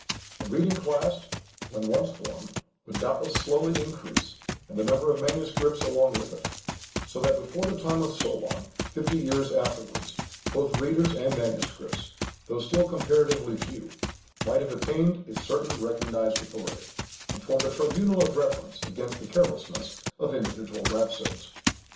A reading class, when once formed, would doubtless slowly increase, and the number of manuscripts along with it; so that before the time of Solôn, fifty years afterwards, both readers and manuscripts, though still comparatively few, might have attained a certain recognized authority, and formed a tribunal of reference against the carelessness of individual rhapsodes."